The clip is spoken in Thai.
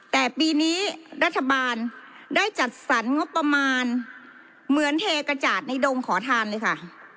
แต่ปีนี้รัฐบาลได้จัดสรรงบประมาณเหมือนเทกระจาดในดงขอทานเลยค่ะ